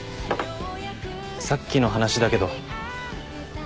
さっきの話だけど。